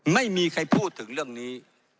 ไม่มีใครพูดถึงเรื่องนี้